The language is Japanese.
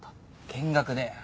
見学だよ。